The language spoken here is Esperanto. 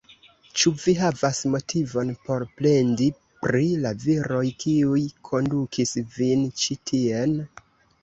Ĉu vi havas motivon por plendi pri la viroj, kiuj kondukis vin ĉi tien?